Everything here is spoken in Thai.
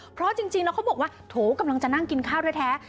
เพราะจริงแล้วเขาบอกว่าโถกำลังจะนั่งกินข้าวแท้